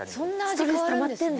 ストレスたまってんだ。